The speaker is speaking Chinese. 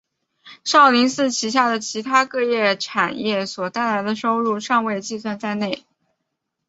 少林寺旗下的其它各项产业所带来的收入尚未计算在内。